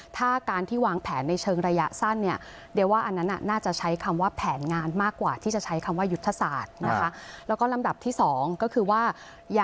ถ้าการที่วางแผนในเชิงระยะสั้นเนี่ย